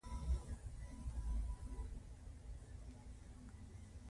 او د کمپیوټر انځور لاهم د سلاټ ماشین په څیر و